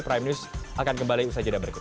prime news akan kembali usai jeda berikut